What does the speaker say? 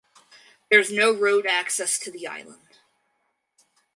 There is no road access to the island.